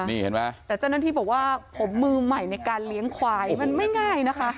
นี่เห็นไหมแต่เจ้าหน้าที่บอกว่าผมมือใหม่ในการเลี้ยงควายมันไม่ง่ายนะคะ